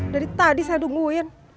dari tadi saya dunguin